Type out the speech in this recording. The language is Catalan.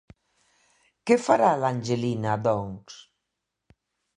Què farà l'Angelina, doncs?